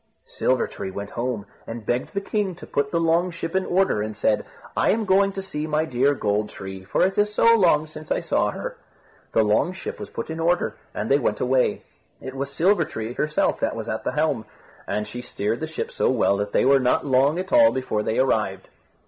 Silver tree went home, and begged the king to put the long ship in order, and said, "I am going to see my dear Gold tree, for it is so long since I saw her." The long ship was put in order, and they went away. It was Silver tree herself that was at the helm, and she steered the ship so well that they were not long at all before they arrived.